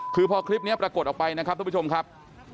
คือพอคลิปนี้ปรากฏออกไปนะครับทุกผู้ชมครับ